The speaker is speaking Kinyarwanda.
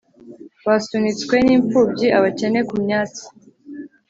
Basunitswe nimpfubyi abakene kumyatsi